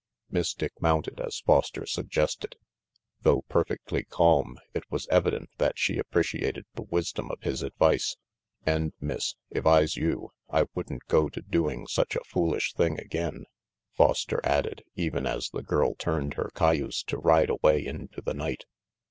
Miss Dick mounted as Foster suggested. Though perfectly calm, it was evident that she appreciated the wisdom of his advice. "And, Miss, if Fse you, I wouldn't go to doing such a foolish thing again," Foster added, even as the girl turned her cayuse to ride away into the night.